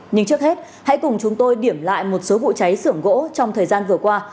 nhưng trước hết hãy cùng chúng tôi điểm lại một số vụ cháy sưởng gỗ trong thời gian vừa qua